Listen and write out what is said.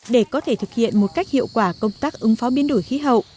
để có thể thực hiện một cách hiệu quả công tác ứng phó biến đổi khí hậu